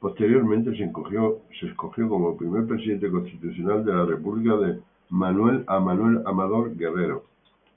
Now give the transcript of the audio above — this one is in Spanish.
Posteriormente se escogió como primer presidente constitucional de la República a Manuel Amador Guerrero.